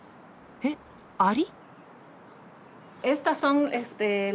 えっアリ！？